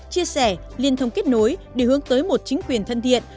chia sẻ liên thông kết nối để hướng tới một chính quyền thân thiện